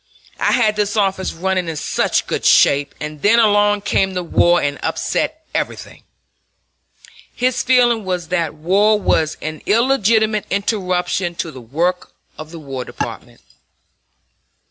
I had this office running in such good shape and then along came the war and upset everything!" His feeling was that war was an illegitimate interruption to the work of the War Department.